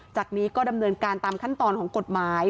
จากนี้ก็ดำเนินการตามขั้นตอนของกฎหมาย